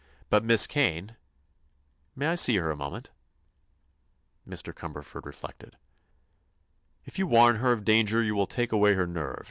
But Miss Kane—May I see her a moment?" Mr. Cumberford reflected. "If you warn her of danger you will take away her nerve.